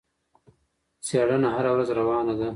څېړنه هره ورځ روانه ده.